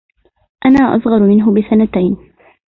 انا اصغر منه بسنتين